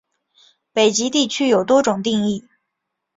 北极地区有多种定义。